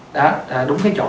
đó đúng cái chỗ